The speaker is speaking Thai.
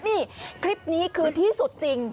นี่คลิปนี้คือที่สุดจริง